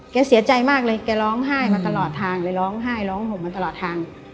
เสียใจมากเลยแกร้องไห้มาตลอดทางเลยร้องไห้ร้องห่มมาตลอดทาง